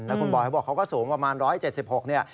แล้วคุณบอยเขาบอกเขาก็สูงประมาณ๑๗๖เนี่ย